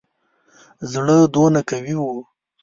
زړه دونه قوي وو.